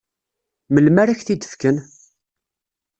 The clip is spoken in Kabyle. Melmi ara ak-t-id-fken?